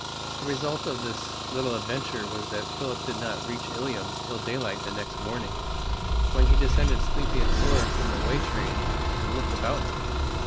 The result of this little adventure was that Philip did not reach Ilium till daylight the next morning, when he descended sleepy and sore, from a way train, and looked about him.